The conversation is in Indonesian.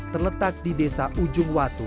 terletak di desa ujung watu